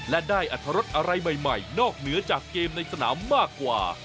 และได้อัตรรสอะไรใหม่นอกเหนือจากเกมในสนามมากกว่า